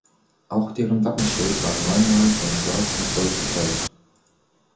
Auch deren Wappenschild war neunmal von Schwarz und Gold geteilt.